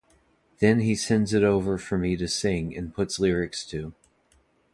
Then he sends it over for me to sing and put lyrics to.